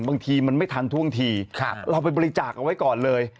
บางทีมันไม่ทันท่วงทีเราไปบริจาคเอาไว้ก่อนเลย